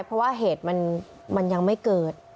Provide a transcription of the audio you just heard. เพราะว่าเหตุมันยังไม่เกิด